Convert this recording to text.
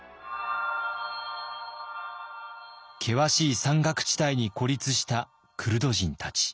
険しい山岳地帯に孤立したクルド人たち。